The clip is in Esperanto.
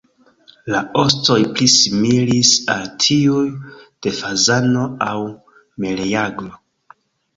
La ostoj pli similis al tiuj de fazano aŭ meleagro.